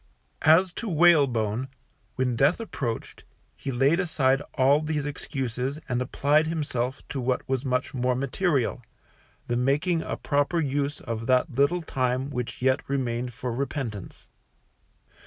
As to Whalebone, when death approached, he laid aside all these excuses and applied himself to what was much more material, the making a proper use of that little time which yet remained for repentance.